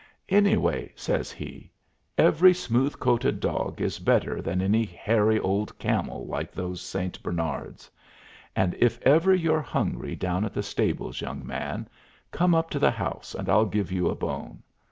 "Anyway," says he, "every smooth coated dog is better than any hairy old camel like those St. Bernards, and if ever you're hungry down at the stables, young man, come up to the house and I'll give you a bone.